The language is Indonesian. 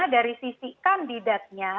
dari sisi kandidatnya